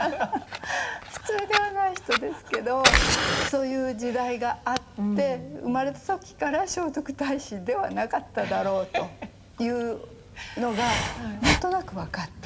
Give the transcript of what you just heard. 普通ではない人ですけどそういう時代があって生まれた時から聖徳太子ではなかっただろうというのが何となく分かって。